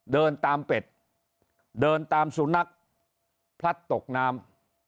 เดินตามเป็ดเดินตามสุนัขพลัดตกน้ำ